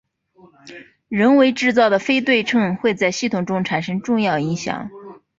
人为制造的非对称会在系统中产生重要影响。